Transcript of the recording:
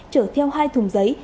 năm năm trở theo hai thùng giấy